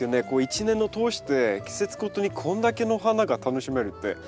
こう一年を通して季節ごとにこんだけの花が楽しめるって。